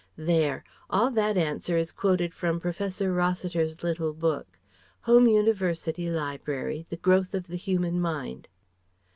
There! All that answer is quoted from Professor Rossiter's little book (Home University Library, "The Growth of the Human Mind")."